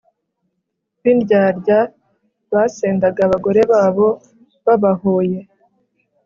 b'indyarya basendaga abagore babo babahoye